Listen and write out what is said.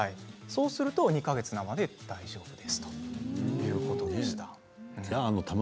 そうすると２か月生で大丈夫ですということでした。